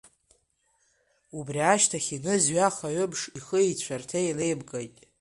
Убри ашьҭахь Еныз ҩаха-ҩымш ихи-ицәарҭеи еилеимкит.